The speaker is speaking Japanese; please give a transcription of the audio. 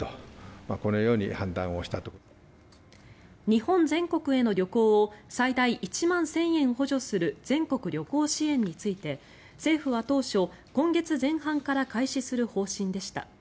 日本全国への旅行を最大１万１０００円補助する全国旅行支援について政府は当初今月前半から開始する方針でした。